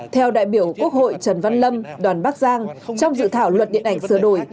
theo đại biểu quốc hội trần văn lâm đoàn bắc giang trong dự thảo luật điện ảnh sửa đổi